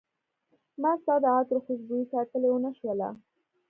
ما ستا د عطرو خوشبوي ساتلی ونه شوله